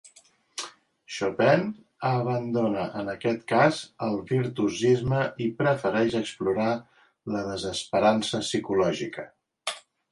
Chopin abandona en aquest cas el virtuosisme i prefereix explorar la desesperança psicològica.